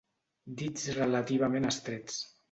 Dits relativament estrets.